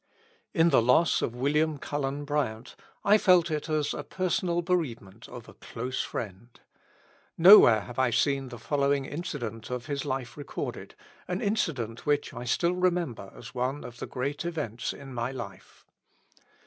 In the loss of William Cullen Bryant I felt it as a personal bereavement of a close friend. Nowhere have I seen the following incident of his life recorded, an incident which I still remember as one of the great events in my life.